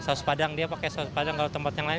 saus padang dia pakai saus padang kalau tempat yang lain